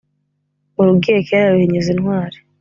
Urugiye kera ruhinyuza intwari.